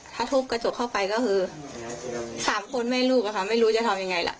ถ้าทุบกระจกเข้าไปก็คือ๓คนแม่ลูกอะค่ะไม่รู้จะทำยังไงล่ะ